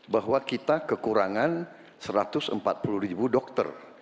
bahwa kita kekurangan satu ratus empat puluh dokter